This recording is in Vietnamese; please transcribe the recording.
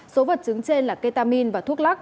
số vật chứng trên là ketamin và thuốc lắc